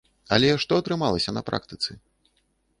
Але што атрымалася на практыцы?